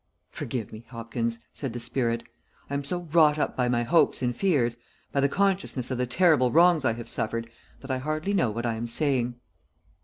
"Forgive me, Hopkins," said the spirit. "I am so wrought up by my hopes and fears, by the consciousness of the terrible wrongs I have suffered, that I hardly know what I am saying."